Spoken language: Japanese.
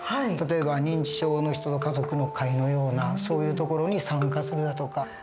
例えば認知症の人の家族の会のようなそういう所に参加するだとか。